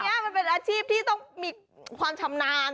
อันนี้มันเป็นอาชีพที่ต้องมีความชำนาญ